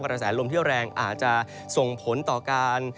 กระแสลมที่แรงอาจจะส่งผลต่อการ